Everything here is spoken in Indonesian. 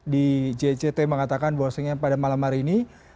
di jict mengatakan bahwasanya pada malam hari ini